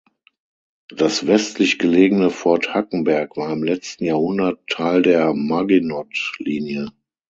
Das westlich gelegene Fort Hackenberg war im letzten Jahrhundert Teil der Maginot-Linie.